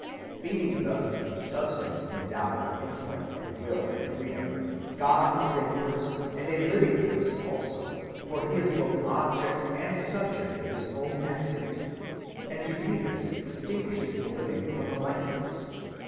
Being thus a substance endowed with intellect and will and freedom, God is a person; and a living person also, for He is both object and subject of his own activity, and to be this distinguishes the living from the lifeless.